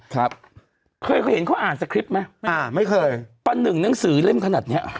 ครับเคยเคยเห็นเขาอ่านสคริปต์ไหมอ่าไม่เคยประหนึ่งหนังสือเล่มขนาดเนี้ย